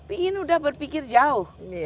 ingin sudah berpikir jauh